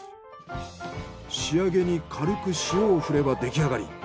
仕上げに軽く塩を振れば出来上がり。